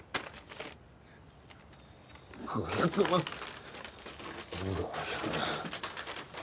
５００万５００万。